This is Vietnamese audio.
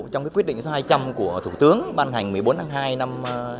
trong quyết định số hai trăm linh của thủ tướng ban hành một mươi bốn tháng hai năm hai nghìn một mươi